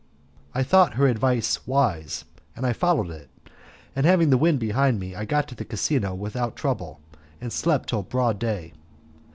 I thought her advice wise, and I followed it, and having the wind behind me I got to the casino without trouble, and slept till broad day.